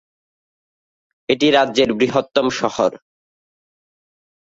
এটি রাজ্যের বৃহত্তম শহর।